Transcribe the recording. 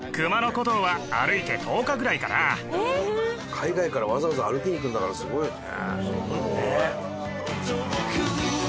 海外からわざわざ歩きに来るんだからすごいよね。